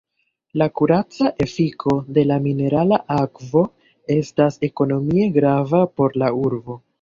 La kuraca efiko de la minerala akvo estas ekonomie grava por la urbo.